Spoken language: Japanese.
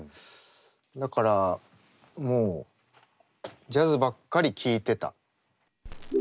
だからもうジャズばっかり聴いてた。